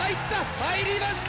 入りました。